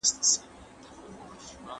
سالم ذهن جنجال نه پیدا کوي.